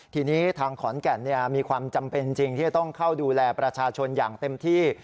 ทีนี้ทางขอนแก่นมีความจำเป็นจริงที่จะต้องเข้าดูแลประชาชนอย่างเต็มที่